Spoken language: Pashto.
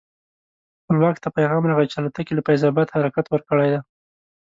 خپلواک ته پیغام راغی چې الوتکې له فیض اباد حرکت ورکړی دی.